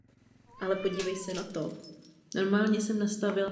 Sídlo rodiny bylo poté přeneseno do Radnice.